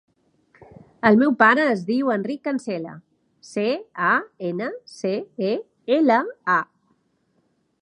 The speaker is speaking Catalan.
El meu pare es diu Enric Cancela: ce, a, ena, ce, e, ela, a.